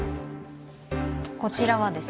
こちらはですね